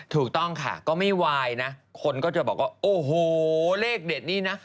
ถูกต้องค่ะก็ไม่วายนะคนก็จะบอกว่าโอ้โหเลขเด็ดนี่นะ